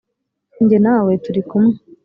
njye nawe turi kumwe